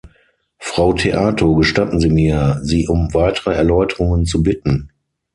Frau Theato, gestatten Sie mir, Sie um weitere Erläuterungen zu bitten.